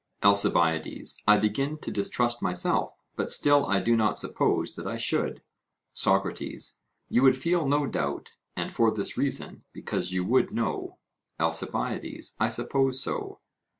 ALCIBIADES: I begin to distrust myself, but still I do not suppose that I should. SOCRATES: You would feel no doubt; and for this reason because you would know? ALCIBIADES: I suppose so.